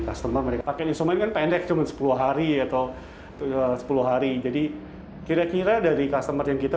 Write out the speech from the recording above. customer mereka paket isoman pendek sepuluh hari atau sepuluh hari jadi kira kira dari customer yang kita